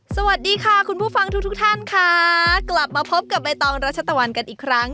สวัสดีค่ะคุณผู้ฟังทุกทุกท่านค่ะกลับมาพบกับใบตองรัชตะวันกันอีกครั้ง